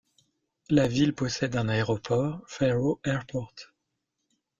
La ville possède un aéroport, Faro Airport.